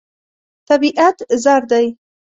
طبیعت زر دی.